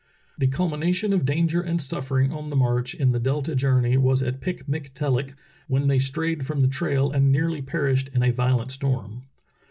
The culmination of danger and suffering on the march in the delta journey was at Pikmiktellik, when they strayed from the trail and nearlj' perished in a violent storm.